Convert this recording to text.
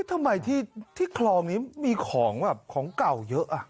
ทำไมที่คลองนี้มีของแบบของเก่าเยอะ